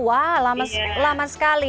wah lama sekali